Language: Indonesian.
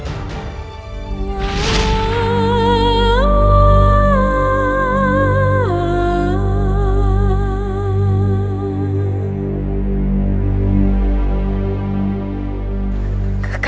dinda subang lara